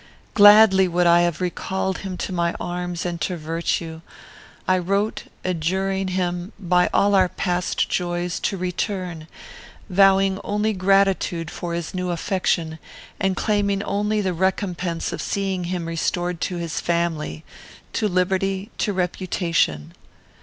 Gladly would I have recalled him to my arms and to virtue; I wrote, adjuring him, by all our past joys, to return; vowing only gratitude for his new affection, and claiming only the recompense of seeing him restored to his family; to liberty; to reputation.